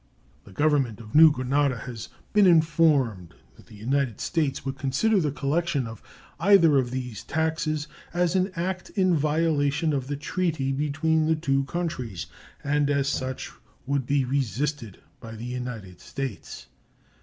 The Government of New Granada has been informed that the United States would consider the collection of either of these taxes as an act in violation of the treaty between the two countries, and as such would be resisted by the United States.